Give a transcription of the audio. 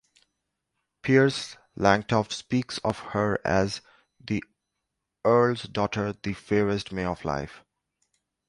Piers Langtoft speaks of her as "The erle's daughter, the fairest may of life".